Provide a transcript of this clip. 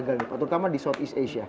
terutama di southeast asia